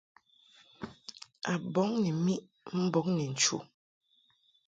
A bɔŋ ni miʼ mbɔŋ ni nchu.